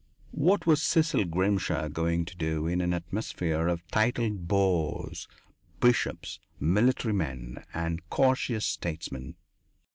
What was Cecil Grimshaw going to do in an atmosphere of titled bores, bishops, military men, and cautious statesmen?